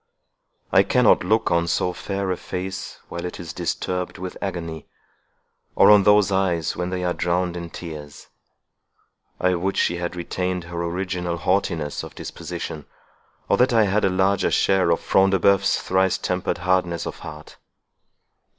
I cannot look on so fair a face while it is disturbed with agony, or on those eyes when they are drowned in tears. I would she had retained her original haughtiness of disposition, or that I had a larger share of Front de Bœuf's thrice tempered hardness of heart!"